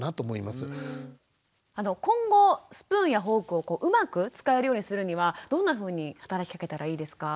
今後スプーンやフォークをうまく使えるようにするにはどんなふうに働きかけたらいいですか？